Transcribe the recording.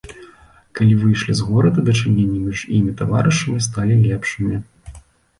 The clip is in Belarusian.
Калі выйшлі з горада, дачыненні між ім і таварышамі сталі лепшымі.